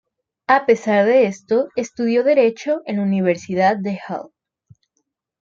A pesar de esto, estudió Derecho en la Universidad de Halle.